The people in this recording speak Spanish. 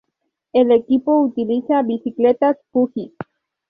El equipo utiliza bicicletas "Fuji".